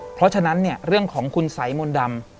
เพราะฉะนั้นเนี่ยเรื่องของคุณสัยมนต์ดำ